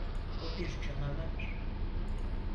O bir canavar.